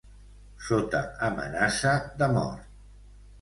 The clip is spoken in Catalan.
Sota amenaça de mort.